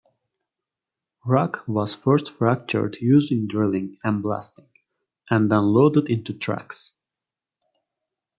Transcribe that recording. Rock was first fractured using drilling and blasting, and then loaded into trucks.